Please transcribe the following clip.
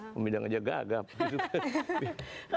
pemidang aja gagap gitu kan